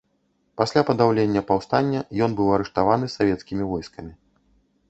Пасля падаўлення паўстання ён быў арыштаваны савецкімі войскамі.